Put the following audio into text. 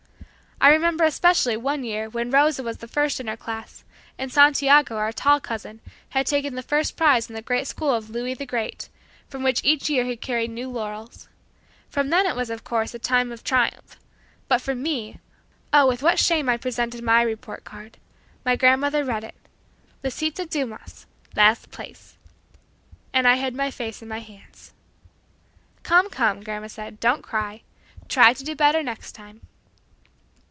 I remember especially one year when Rosa was the first in her class, and Santiago our tall cousin had taken the first prize in the great school of "Louis the Great," from which each year he carried new laurels. For them it was of course a time of triumph but for me! oh, with what shame I presented my report card. My grandmother read it. "Lisita Dumas last place!" and I hid my face in my hands. "Come, come," grandma said, "don't cry. Try to do better next time."